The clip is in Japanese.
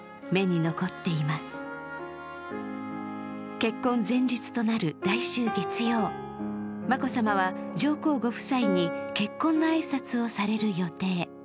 結婚前日となる来週月曜、眞子さまは上皇ご夫妻に結婚の挨拶をされる予定。